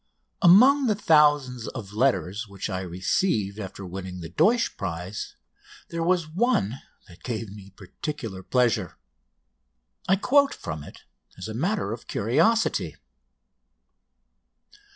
Among the thousands of letters which I received after winning the Deutsch prize there was one that gave me particular pleasure. I quote from it as a matter of curiosity